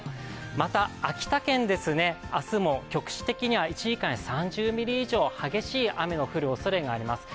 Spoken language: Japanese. また秋田県ですね、明日も局地的に１時間に３０ミリ以上、激しい雨の降るおそれがあります。